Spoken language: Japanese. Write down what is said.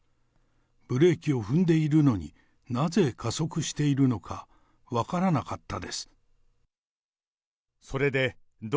ブレーキを踏んでいるのに、なぜ加速しているのか、分からなかったです。